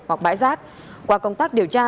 hoặc bãi rác qua công tác điều tra